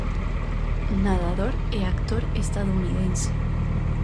Nadador e actor estadounidense.